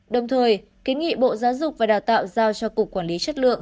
đồng thời kiến nghị bộ giáo dục và đào tạo giao cho cục quản lý chất lượng